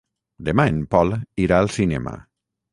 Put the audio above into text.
Demà en Pol irà al cinema.